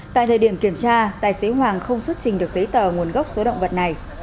tại thời điểm kiểm tra tài xế hoàng không xuất trình được giấy tờ nguồn gốc số động vật này